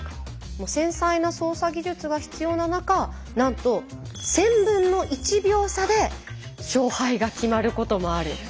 もう繊細な操作技術が必要な中なんと１／１０００秒差で勝敗が決まることもある。